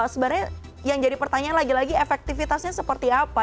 sebenarnya yang jadi pertanyaan lagi lagi efektivitasnya seperti apa